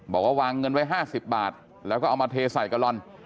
บอกว่าวางเงินไว้๕๐บาทแล้วก็เอามาเทใส่กะลอน